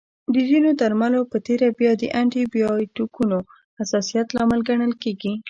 د ځینو درملنو په تېره بیا د انټي بایوټیکونو حساسیت لامل ګڼل کېږي.